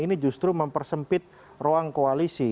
ini justru mempersempit ruang koalisi